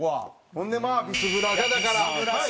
ほんでまあビスブラがだからここで。